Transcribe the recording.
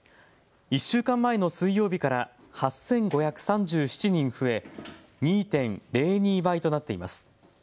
１週間前の水曜日から８５３７人増え、２．０２倍となっています。